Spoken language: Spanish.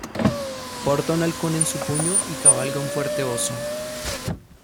Porta un halcón en su puño y cabalga un fuerte oso.